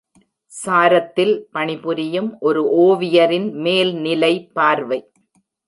சாரத்தில் பணிபுரியும் ஒரு ஓவியரின் மேல்நிலை பார்வை.